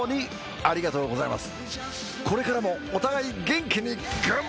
ありがとうございます！